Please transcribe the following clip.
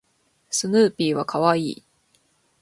スヌーピーは可愛い